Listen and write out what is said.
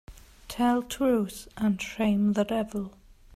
Tell truth and shame the devil